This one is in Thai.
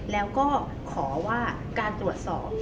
แล้วก็ขอว่าการตรวจสอบ